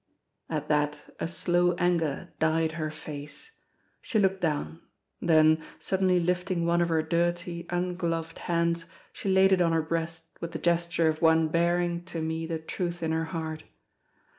At that a slow anger dyed her face. She looked down; then, suddenly lifting one of her dirty, ungloved hands, she laid it on her breast with the gesture of one baring to me the truth in her heart.